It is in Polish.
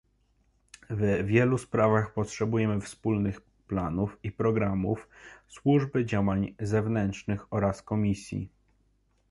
W wielu sprawach potrzebujemy wspólnych planów i programów Służby Działań Zewnętrznych oraz Komisji